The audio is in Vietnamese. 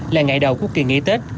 là ngày đầu quốc kỳ nghỉ tết